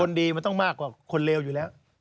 ดีมันต้องมากกว่าคนเลวอยู่แล้ว